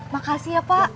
makasih ya pak